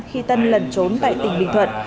khi tân lần trốn tại tỉnh bình thuận